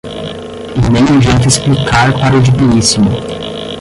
E nem adianta explicar para o digníssimo.